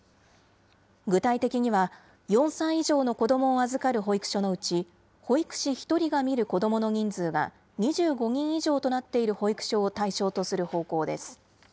具体的には、４歳以上の子どもを預かる保育所のうち、保育士１人が見る子どもの人数が２５人以上となっている保育所を対象とする方向です。